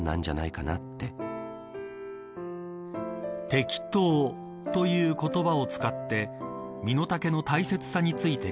適当という言葉を使って身の丈の大切さについて